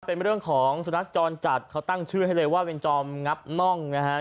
เป็นเรื่องของสุนัขจรจัดเขาตั้งชื่อให้เลยว่าเป็นจอมงับน่องนะฮะ